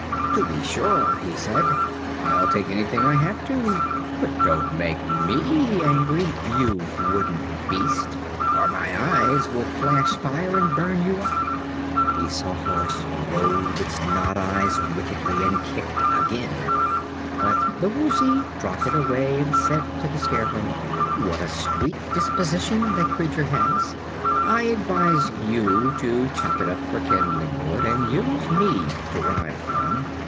"To be sure," he said; "I'll take anything I have to. But don't make me angry, you wooden beast, or my eyes will flash fire and burn you up." The Sawhorse rolled its knot eyes wickedly and kicked again, but the Woozy trotted away and said to the Scarecrow: "What a sweet disposition that creature has! I advise you to chop it up for kindling wood and use me to ride upon.